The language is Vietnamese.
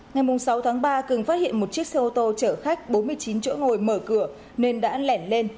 ngày sáu tháng ba cường phát hiện một chiếc xe ô tô chở khách bốn mươi chín chỗ ngồi mở cửa nên đã lẻn lên